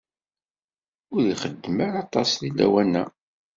Ur ixeddem ara aṭas lawan-a.